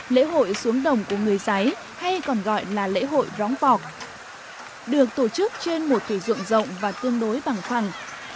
lễ hội xuống đồng của người giái hay còn gọi là lễ hội rong bọc được tổ chức trên một thủy ruộng rộng và tương đối bằng khoảng